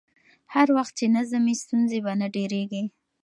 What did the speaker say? هر وخت چې نظم وي، ستونزې به نه ډېرېږي.